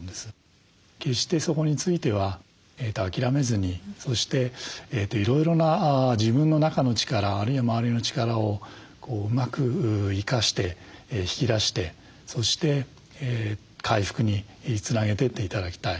決してそこについては諦めずにそしていろいろな自分の中の力あるいは周りの力をうまく生かして引き出してそして回復につなげていって頂きたい。